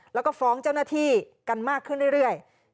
แล้วก็ฟ้องเจ้าหน้าที่กันมากขึ้นเรื่อย